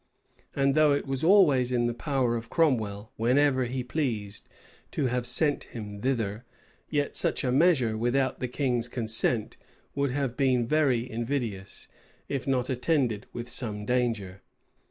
And though it was always in the power of Cromwell, whenever he pleased, to have sent him thither, yet such a measure, without the king's consent, would have been very invidious, if not attended with some danger.